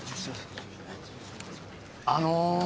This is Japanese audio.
あの。